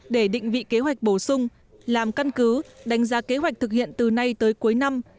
để định vị kế hoạch bổ sung làm căn cứ đánh giá kế hoạch thực hiện từ nay tới cuối năm